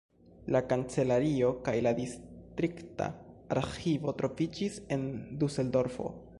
La kancelario kaj la distrikta arĥivo troviĝis en Duseldorfo.